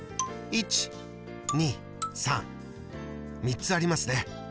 ３つありますね。